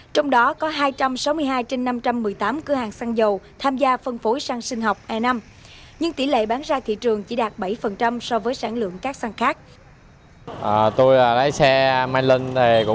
trong đó có hai trăm sáu mươi hai trên năm trăm một mươi tám cửa hàng xăng dầu